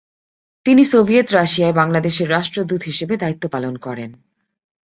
তিনি সোভিয়েত রাশিয়ায় বাংলাদেশের রাষ্ট্রদূত হিসেবে দায়িত্ব পালন করেন।